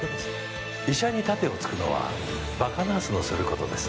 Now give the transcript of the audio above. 医者に盾を突くのは馬鹿ナースのすることです。